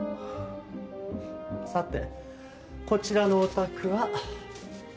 さてこちらのお宅は。